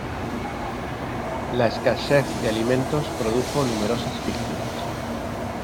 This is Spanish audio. La escasez de alimentos produjo numerosas víctimas.